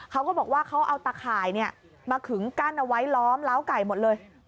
เขาก็บอกว่าเขาเอาตะข่ายมาขึงกั้นเอาไว้ล้อมล้าวไก่หมดเลย